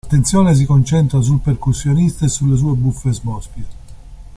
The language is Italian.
L'attenzione si concentra sul percussionista e sulle sue buffe smorfie.